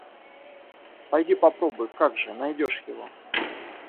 Пойди, попробуй, — как же, найдешь его!